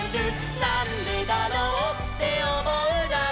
「なんでだろうっておもうなら」